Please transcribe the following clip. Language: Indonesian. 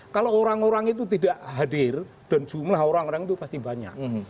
kalau orang orang itu tidak hadir dan jumlah orang orang itu pasti banyak